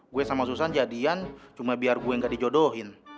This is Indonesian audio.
gue sama susan jadian cuma biar gue gak dijodohin